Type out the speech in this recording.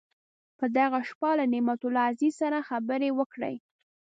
په دغه شپه له نعمت الله عزیز سره خبرې وکړې.